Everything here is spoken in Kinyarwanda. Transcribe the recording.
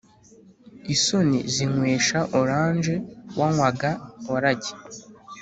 • isoni zinywesha orange wanywaga waragi